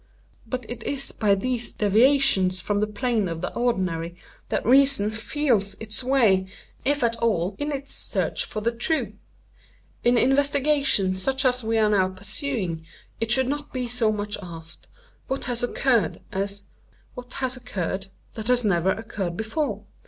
But it is by these deviations from the plane of the ordinary, that reason feels its way, if at all, in its search for the true. In investigations such as we are now pursuing, it should not be so much asked 'what has occurred,' as 'what has occurred that has never occurred before.